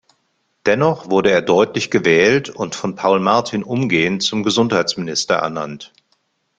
Dennoch wurde er deutlich gewählt und von Paul Martin umgehend zum Gesundheitsminister ernannt.